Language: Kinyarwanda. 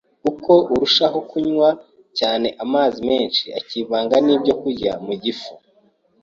Uko urushaho kunywa cyane amazi menshi akivanga n’ibyokurya mu gifu,